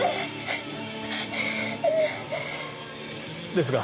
ですが